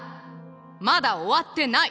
まだ終わってない！